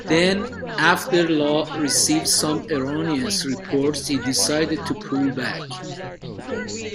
Then, after Law received some erroneous reports, he decided to pull back.